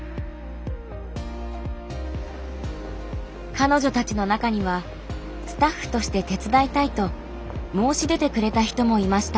彼女たちの中にはスタッフとして手伝いたいと申し出てくれた人もいました。